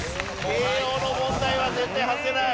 慶應の問題は絶対外せない。